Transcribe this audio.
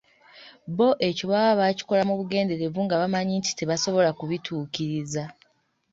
Bo ekyo baba baakikola mu bugenderevu nga bamanyi nti tebasobola kubituukiriza.